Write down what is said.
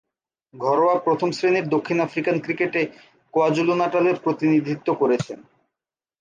ঘরোয়া প্রথম-শ্রেণীর দক্ষিণ আফ্রিকান ক্রিকেটে কোয়াজুলু-নাটালের প্রতিনিধিত্ব করেছেন।